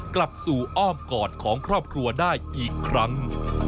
กลับสู่อ้อมกอดของครอบครัวได้อีกครั้ง